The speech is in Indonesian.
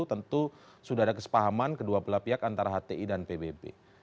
tentu sudah ada kesepahaman kedua belah pihak antara hti dan pbb